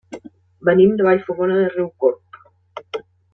Venim de Vallfogona de Riucorb.